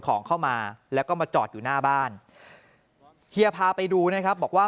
ของเข้ามาแล้วก็มาจอดอยู่หน้าบ้านเฮียพาไปดูนะครับบอกว่า